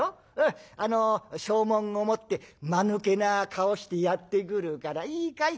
あの証文を持ってまぬけな顔してやって来るからいいかい？